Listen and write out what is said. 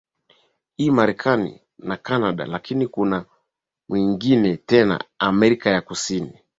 i Marekani na Canada lakini kuna mwingine tena Amerika ya Kusini